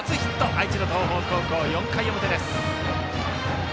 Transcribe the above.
愛知の東邦高校、４回表です。